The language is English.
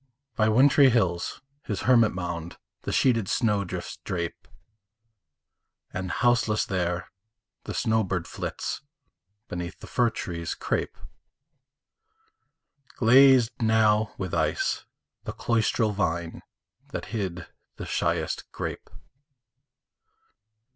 By wintry hills his hermit mound The sheeted snow drifts drape, And houseless there the snow bird flits Beneath the fir treesâ crape: Glazed now with ice the cloistral vine That hid the shyest grape.